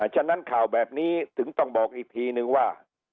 ฉะนั้นข่าวแบบนี้ถึงต้องบอกอีกทีนึงว่า